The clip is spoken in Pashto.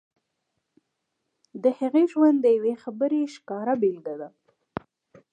د هغې ژوند د يوې خبرې ښکاره بېلګه ده.